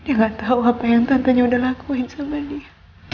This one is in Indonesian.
dia gak tahu apa yang tantenya udah lakuin sama dia